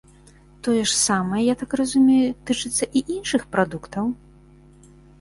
Тое ж самае, я так разумею, тычыцца і іншых прадуктаў?